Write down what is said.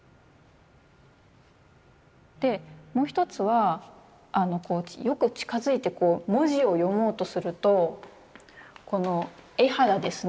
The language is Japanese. でもう一つはよく近づいてこう文字を読もうとするとこの絵肌ですね。